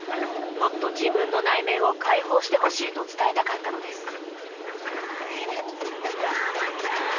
もっと自分の内面を解放してほしいと伝えたかったのです。